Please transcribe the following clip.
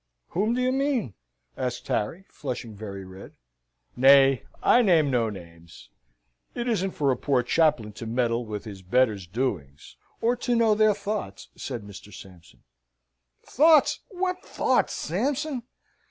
"Whom do you mean?" asked Harry, flushing very red. "Nay, I name no names. It isn't for a poor chaplain to meddle with his betters' doings, or to know their thoughts," says Mr. Sampson. "Thoughts! what thoughts, Sampson?"